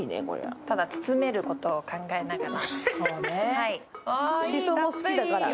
ただ、包めることを考えながら。